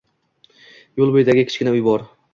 Yoʻl boʻyidagi kichkina uy bor.